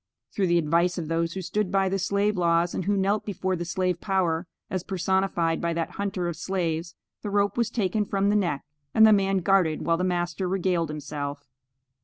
Through the advice of those who stood by the slave laws and who knelt before the slave power, as personified by that hunter of slaves, the rope was taken from the neck, and the man guarded while the master regaled himself.